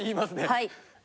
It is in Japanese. はい。